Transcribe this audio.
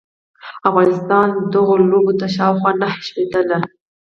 افغانستان دغو لوبو ته شاوخوا نهه شپیته ل